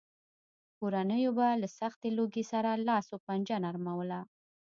کورنیو به له سختې لوږې سره لاس و پنجه نرموله.